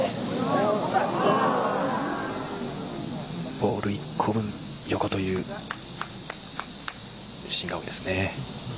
ボール１個分横というシーンが多いですね。